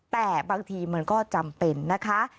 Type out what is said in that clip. แต่บางทีมันก็จำเป็นนะคะ